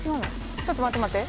ちょっと待って待って。